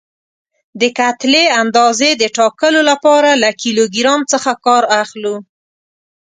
د کتلې اندازې د ټاکلو لپاره له کیلو ګرام څخه کار اخلو.